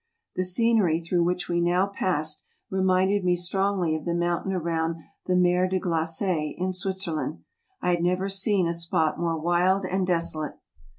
The scenery through which we now passed reminded me strongly of the moun¬ tain around the Mer de Grlace in Svdtzerland. I had never seen a spot more wild and desolate.